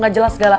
gak jelas segala